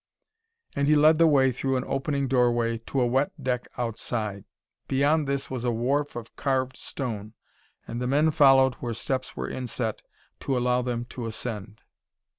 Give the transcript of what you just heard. And he led the way through an opening doorway to a wet deck outside. Beyond this was a wharf of carved stone, and the men followed where steps were inset to allow them to ascend.